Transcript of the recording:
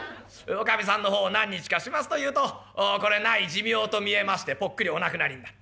おかみさんの方何日かしますというとこれない寿命と見えましてぽっくりお亡くなりになる。